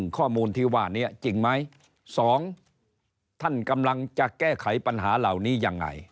ข้อมูลที่ว่านี้จริงไหม๒ท่านกำลังจะแก้ไขปัญหาเหล่านี้ยังไง